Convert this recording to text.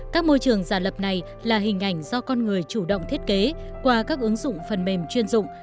các môi trường giả lập này là hình ảnh do con người chủ động thiết kế qua các ứng dụng phần mềm chuyên dụng